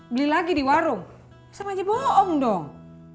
beli lagi di warung bisa maja bohong dong